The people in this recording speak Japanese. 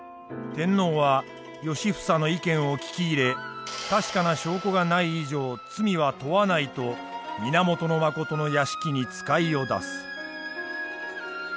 天皇は良房の意見を聞き入れ確かな証拠がない以上罪は問わないと源信の屋敷に使いを出す。